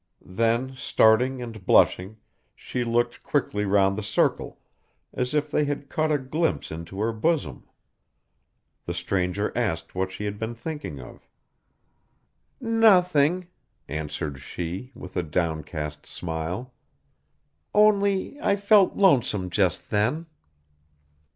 Then starting and blushing, she looked quickly round the circle, as if they had caught a glimpse into her bosom. The stranger asked what she had been thinking of. 'Nothing,' answered she, with a downcast smile. 'Only I felt lonesome just then.